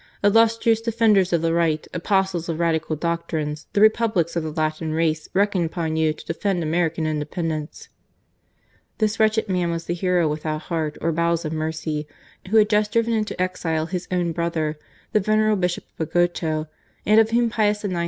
... Illustrious defenders of the right, apostles of Radical doctrines, the Republics of th^ Latin race reckon upon you to defend American Independence." This wretched man was the hero without heart THE EXCOMMUNICATED MOSQUERA. 141 or bowels of mercy, who had just driven into exile his own brother, the venerable Bishop of Bogota, and of whom Pius IX.